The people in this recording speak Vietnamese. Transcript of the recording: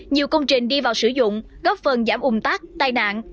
nhiều công trình đi vào sử dụng góp phần giảm ung tắc tai nạn